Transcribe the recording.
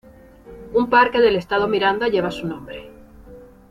Un parque del Estado Miranda lleva su nombre.